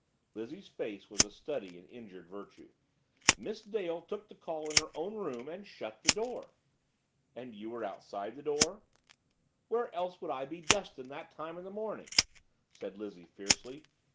Lizzie's face was a study in injured virtue. "Miss Dale took the call in her own room and shut the door." "And you were outside the door?" "Where else would I be dustin' that time in the mornin'?" said Lizzie fiercely.